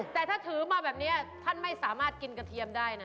แต่ถ้าถือมาแบบนี้ท่านไม่สามารถกินกระเทียมได้นะ